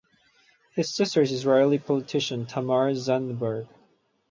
His sister is Israeli politician Tamar Zandberg.